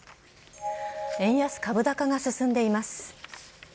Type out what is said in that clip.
円安株高が進んでいます。